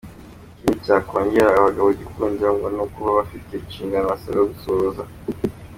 Ikindi cyakongerera abagabo igikundiro ngo ni ukuba bafite inshingano basabwa gusohoza.